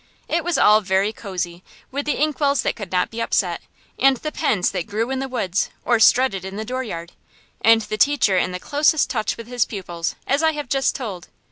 It was all very cosey, with the inkwells that could not be upset, and the pens that grew in the woods or strutted in the dooryard, and the teacher in the closest touch with his pupils, as I have just told.